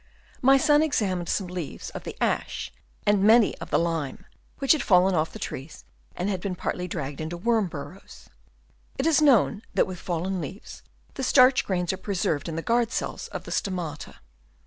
My son examined some leaves of the ash and many of the lime, which had fallen off the trees and had been partly dragged into worm burrows. It is known that with fallen leaves the starch grains are preserved in the guard cells of the stomata.